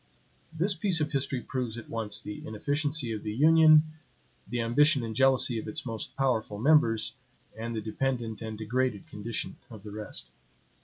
This piece of history proves at once the inefficiency of the union, the ambition and jealousy of its most powerful members, and the dependent and degraded condition of the rest.